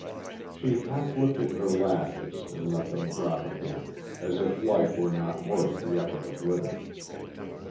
She half lifted her lashes and let them drop again, as if life were not worth the effort of living.